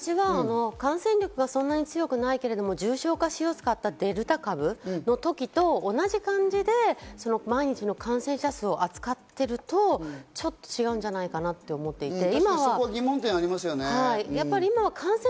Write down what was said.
感染力はそんなに強くないけど重症化しやすかったデルタ株の時と同じ感じで毎日の感染者数を扱っているとちょっと違うんじゃないかなと思っていて。